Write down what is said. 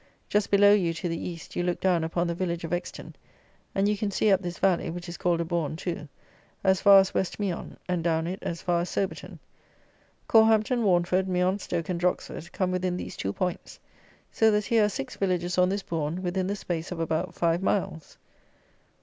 Just below you, to the East, you look down upon the village of Exton; and you can see up this valley (which is called a Bourn too) as far as West Meon, and down it as far as Soberton. Corhampton, Warnford, Meon Stoke and Droxford come within these two points; so that here are six villages on this bourn within the space of about five miles.